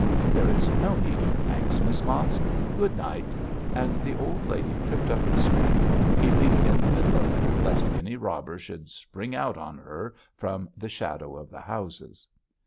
'There is no need for thanks, Miss Mosk. Good night!' and the old lady tripped up the street, keeping in the middle of it, lest any robber should spring out on her from the shadow of the houses.